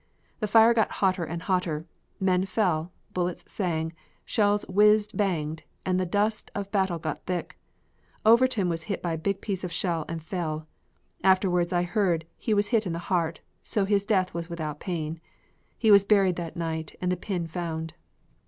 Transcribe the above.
The fire got hotter and hotter, men fell, bullets sung, shells whizzed banged and the dust of battle got thick. Overton was hit by a big piece of shell and fell. Afterwards I heard he was hit in the heart, so his death was without pain. He was buried that night and the pin found.